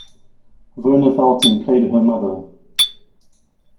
Verna Felton played her mother.